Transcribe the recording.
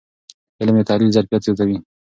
علم د تحلیل ظرفیت زیاتوي.